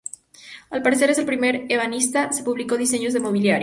Al parecer es el primer ebanista que publicó diseños de mobiliario.